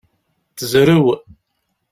Tezrew.